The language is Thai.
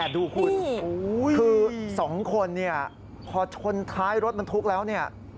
ดูคุณคือ๒คนเนี่ยพอชนท้ายรถบรรทุกแล้วเนี่ย